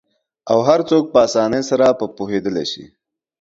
او هرڅوک په آسانۍ سره په پوهیدالی سي